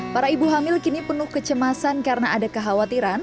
para ibu hamil kini penuh kecemasan karena ada kekhawatiran